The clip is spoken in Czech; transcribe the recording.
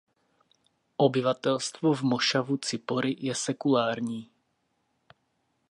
Obyvatelstvo v mošavu Cipori je sekulární.